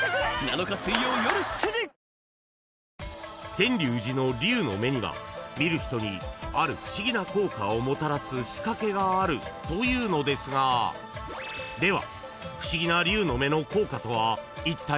［天龍寺の龍の目には見る人にある不思議な効果をもたらす仕掛けがあるというのですがでは］